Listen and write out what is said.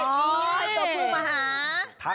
ให้ตัวผู้มาหา